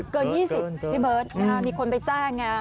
เกิน๒๐พี่เบิร์ตมีคนไปแจ้งไง